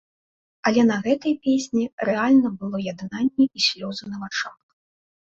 Але на гэтай песні рэальна было яднанне і слёзы на вачах.